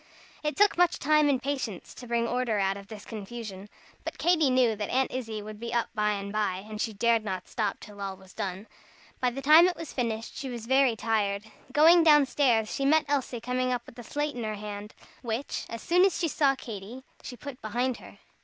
It took much time and patience to bring order out of this confusion. But Katy knew that Aunt Izzie would be up by and by, and she dared not stop till all was done. By the time it was finished, she was very tired. Going down stairs, she met Elsie coming up with a slate in her hand, which, as soon as she saw Katy, she put behind her.